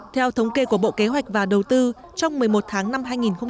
theo thống kê của bộ kế hoạch và đầu tư trong một mươi một tháng năm hai nghìn một mươi chín